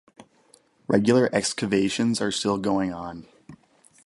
Regular excavations are still going on.